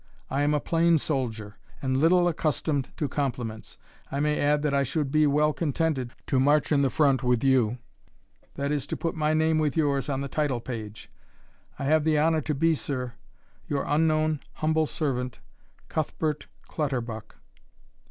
I am a plain soldier, and little accustomed to compliments. I may add, that I should be well contented to march in the front with you that is, to put my name with yours on the title page. I have the honour to be, Sir, Your unknown humble Servant, Cuthbert Clutterbuck.